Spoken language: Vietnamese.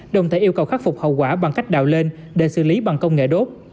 đồng thể yêu cầu khắc phục hậu quả bằng cách đạo lên để xử lý bằng công nghệ đốt